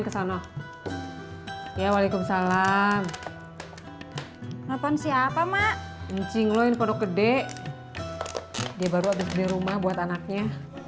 sampai jumpa di video selanjutnya